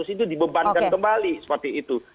itu dibebankan kembali seperti itu